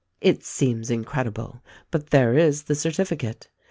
It seems incredible ; but there is the certificate.